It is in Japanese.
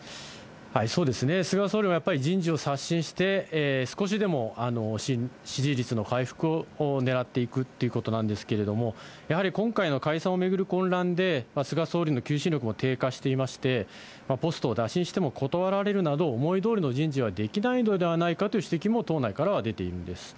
そうですね、菅総理はやっぱり人事を刷新して、少しでも支持率の回復をねらっていくっていうことなんですけれども、やはり今回の解散を巡る混乱で、菅総理の求心力も低下していまして、ポストを打診しても断られるなど、思いどおりの人事はできないのではないかという指摘も党内からは出ているんです。